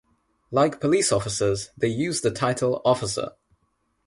Like police officers, they use the title officer.